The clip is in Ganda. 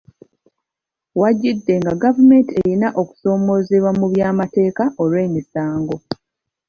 W'ajjidde nga gavumenti erina okusoomoozebwa mu by’amateeka olw’emisango.